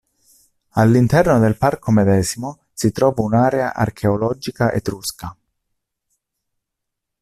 All'interno del parco medesimo si trova un'area archeologica etrusca.